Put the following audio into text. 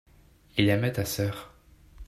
il aimait ta sœur.